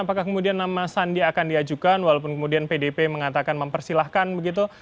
apakah kemudian nama sandi akan diajukan walaupun kemudian pdp mengatakan mempersilahkan begitu